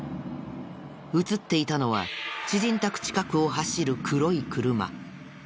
映っていたのは知人宅近くを走る黒い車。